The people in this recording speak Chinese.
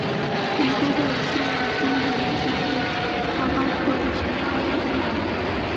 每周都有上万新会员加入沙发客旅行大家庭。